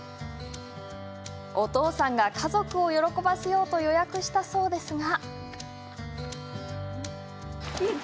お父さんが家族を喜ばせようと予約したそうですが。